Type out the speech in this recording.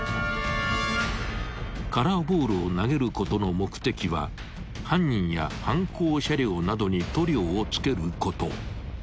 ［カラーボールを投げることの目的は犯人や犯行車両などに塗料を付けること］